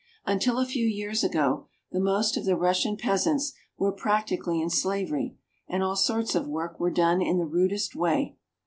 Until a few years ago the most of the Russian peasants were practically in slavery, and all sorts of work were done in the rudest way.